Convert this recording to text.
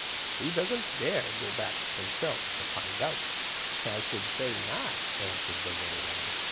"He doesn't dare go back himself to find out." "I should say not," answered the little rabbit.